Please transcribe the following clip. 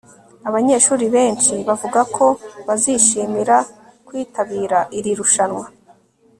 abanyeshuri benshi bavuze ko bazishimira kwitabira iri rushanwa